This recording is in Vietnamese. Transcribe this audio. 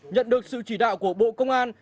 nhận được sự chỉ đạo của bộ công an